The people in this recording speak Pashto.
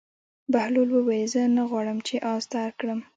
بهلول وویل: زه نه غواړم چې اس درکړم.